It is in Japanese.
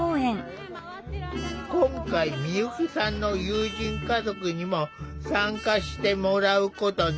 今回美由紀さんの友人家族にも参加してもらうことに。